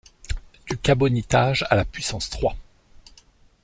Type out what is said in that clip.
Du cabotinage à la puissance trois.